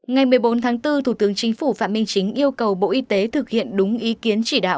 ngày một mươi bốn tháng bốn thủ tướng chính phủ phạm minh chính yêu cầu bộ y tế thực hiện đúng ý kiến chỉ đạo